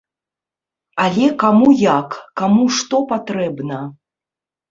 Але каму як, каму што патрэбна.